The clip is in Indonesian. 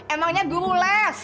emangnya guru les